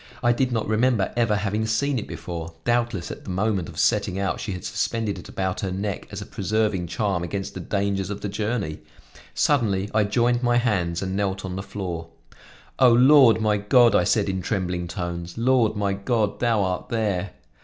I did not remember ever having seen it before; doubtless, at the moment of setting out she had suspended it about her neck as a preserving charm against the dangers of the journey. Suddenly I joined my, hands and knelt on the floor. "O, Lord my God," I said in trembling tones, "Lord, my God, thou art there!"